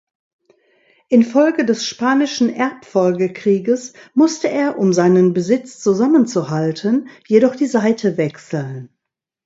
Infolge des Spanischen Erbfolgekrieges musste er, um seinen Besitz zusammenzuhalten, jedoch die Seite wechseln.